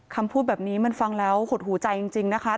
คำพูดแบบนี้มันฟังแล้วหดหูใจจริงนะคะ